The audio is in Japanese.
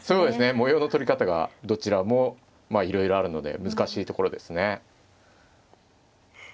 模様の取り方がどちらもいろいろあるので難しいところですね。